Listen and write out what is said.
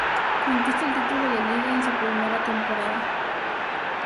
Conquista el título de Liga en su primera temporada.